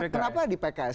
kenapa di pks